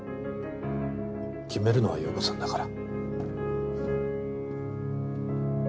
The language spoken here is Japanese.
決めるのは陽子さんだから。